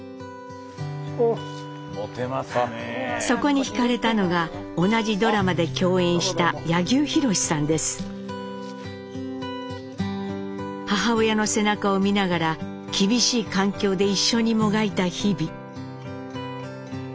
そこに惹かれたのが同じドラマで共演した母親の背中を見ながら厳しい環境で一緒にもがいた日々。